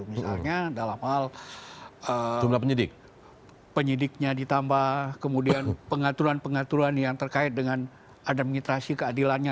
misalnya dalam hal penyidiknya ditambah kemudian pengaturan pengaturan yang terkait dengan administrasi keadilannya